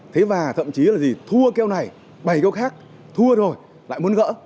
thế và thậm chí là gì thua kêu này bày kêu khác thua rồi lại muốn gỡ